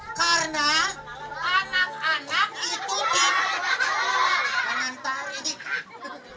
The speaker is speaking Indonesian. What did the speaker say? karena anak anak itu di